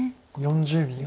４０秒。